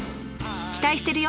期待してるよ！